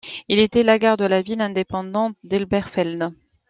Elle était la gare de la ville independante d'Elberfeld.